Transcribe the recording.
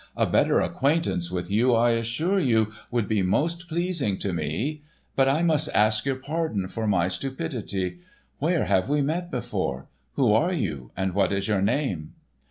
A better acquaintance with you, I assure you, would be most pleasing to me. But I must ask your pardon for my stupidity. Where have we met before? Who are you, and what is your name?"